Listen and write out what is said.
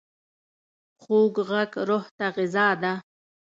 خوږ غږ روح ته غذا ده.